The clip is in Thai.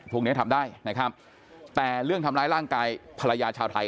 พวกนี้ทำได้นะครับแต่เรื่องทำร้ายร่างกายภรรยาชาวไทย